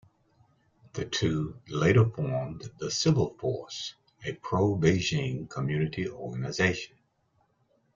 The two later formed the Civil Force, a pro-Beijing community organisation.